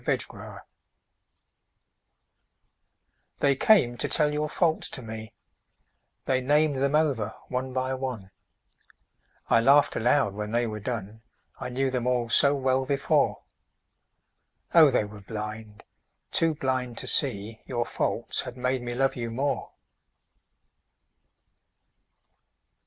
Faults They came to tell your faults to me, They named them over one by one; I laughed aloud when they were done, I knew them all so well before, Oh, they were blind, too blind to see Your faults had made me love you more.